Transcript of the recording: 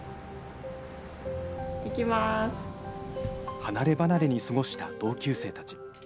離れ離れに過ごした同級生たち。